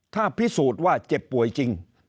ถ้าพิสูจน์ว่าเจ็บป่วยจริง